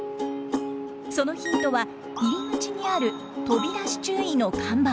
そのヒントは入り口にある飛び出し注意の看板。